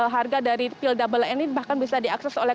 harga dari pil double ini bahkan bisa diakses oleh